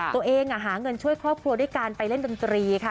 ตัวเองหาเงินช่วยครอบครัวด้วยการไปเล่นดนตรีค่ะ